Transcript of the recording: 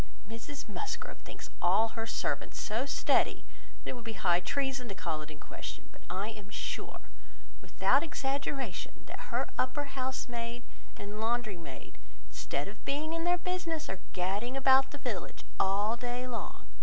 "Mrs Musgrove thinks all her servants so steady, that it would be high treason to call it in question; but I am sure, without exaggeration, that her upper house maid and laundry maid, instead of being in their business, are gadding about the village, all day long.